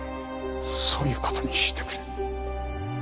そういうことにしてくれ。